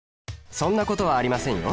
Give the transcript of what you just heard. そんなことはありませんよ！